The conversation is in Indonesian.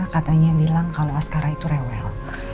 katanya bilang kalau askara itu rewel